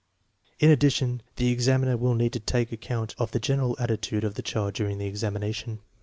In addition, the examiner will need to take account of the general attitude of the child during the examination.